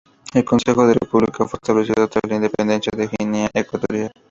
El Consejo de la República fue establecido tras la Independencia de Guinea Ecuatorial.